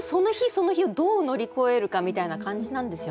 その日をどう乗り越えるかみたいな感じなんですよね。